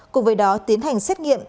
cùng với đó tiến hành xét nghiệm